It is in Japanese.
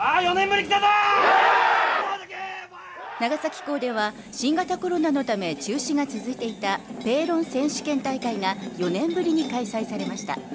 長崎港では新型コロナのため中止が続いていたペーロン選手権大会が４年ぶりに開催されました。